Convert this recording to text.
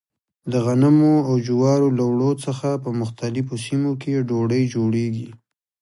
د غنمو او جوارو له اوړو څخه په مختلفو سیمو کې ډوډۍ جوړېږي.